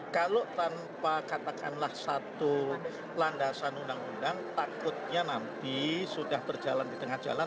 kalau tanpa katakanlah satu landasan undang undang takutnya nanti sudah berjalan di tengah jalan